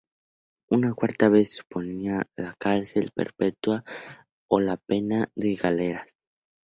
Una cuarta vez suponía la cárcel perpetua o la pena de galeras.